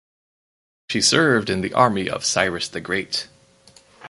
She served in the army of Cyrus the Great.